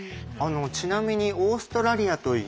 ちなみにオーストラリアとイギリス